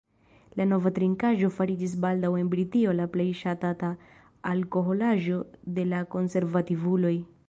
La nova trinkaĵo fariĝis baldaŭ en Britio la plej ŝatata alkoholaĵo de la konservativuloj.